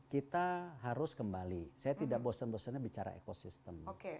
kita harus kembali saya tidak bosen bosennya bicara ekosistem